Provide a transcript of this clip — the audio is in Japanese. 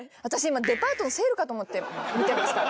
今デパートのセールかと思って見てました。